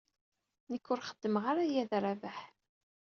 Nekk ur xeddmeɣ ara aya d Rabaḥ.